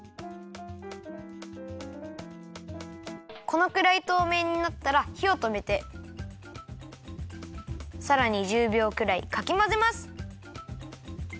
このくらいとうめいになったらひをとめてさらに１０びょうくらいかきまぜます。